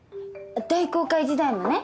大航海時代もね